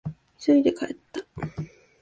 急いで帰った。